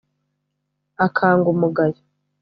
akanga umugayo